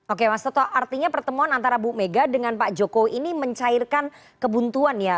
oke mas toto artinya pertemuan antara bu mega dengan pak jokowi ini mencairkan kebuntuan ya